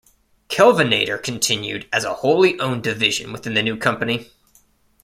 Kelvinator continued as a wholly owned division within the new company.